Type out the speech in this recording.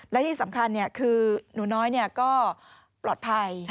และที่สำคัญคือหนูน้อยก็ปลอดภัย